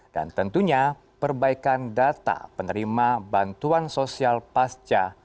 dan tentunya perbaikan data penerima bantuan sosial pasca